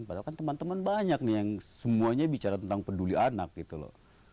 padahal kan teman teman banyak nih yang semuanya bicara tentang peduli anak gitu loh